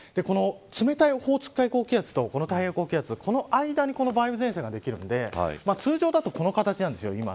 冷たいオホーツク海高気圧と太平洋高気圧この間に、梅雨前線ができるので通常だと今はこの形なんです。